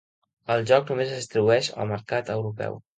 El joc només es distribueix al mercat europeu.